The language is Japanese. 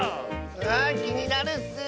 あきになるッス。